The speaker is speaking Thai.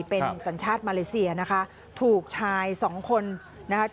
เป็นสัญชาติมาเลเซียนะคะถูกชายสองคนนะคะ